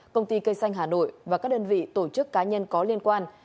công ty cây xanh hà nội và các đơn vị tổ chức cá nhân có liên quan